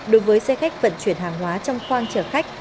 đối với xe khách vận chuyển hàng hóa trong khoang chở khách